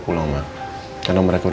misalnya kebanyakan orang arab support